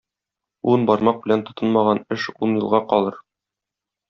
Ун бармак белән тотынмаган эш ун елга калыр.